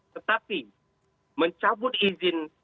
tetapi mencabut izin